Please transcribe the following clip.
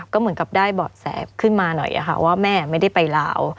ก็เหมือนกับได้เบาะแสขึ้นมาหน่อยค่ะว่าแม่ไม่ได้ไปลาว